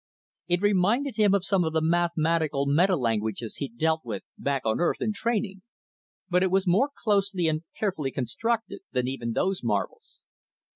It reminded him of some of the mathematical metalanguages he'd dealt with back on Earth, in training; but it was more closely and carefully constructed than even those marvels.